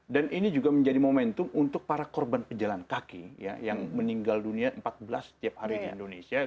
dan ini juga menjadi momentum untuk para korban pejalan kaki yang meninggal dunia empat belas tiap hari di indonesia